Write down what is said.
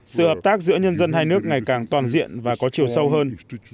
sự hợp tác giữa nhân dân hai nước ngày càng toàn diện và có chiều sâu hơn